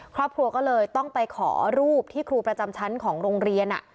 ครอบครัวก็เลยต้องไปขอรูปที่ครูประจำชั้นของโรงเรียน